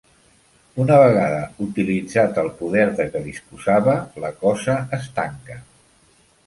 Una vegada utilitzat el poder de què disposava, la Cosa es tanca.